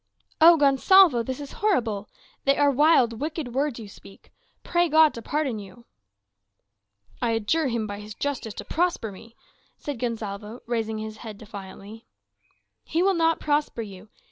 "O Gonsalvo, this is horrible! They are wild, wicked words you speak. Pray God to pardon you!" "I adjure him by his justice to prosper me," said Gonsalvo, raising his head defiantly. "He will not prosper you.